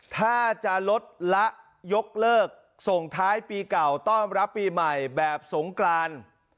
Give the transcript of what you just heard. ถ้าจะลดละยกเลิกส่งท้ายปีเก่าต้อนรับปีใหม่แบบสงกราน